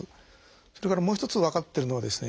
それからもう一つ分かってるのはですね